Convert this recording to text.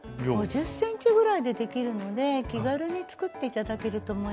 ５０ｃｍぐらいでできるので気軽に作って頂けると思います。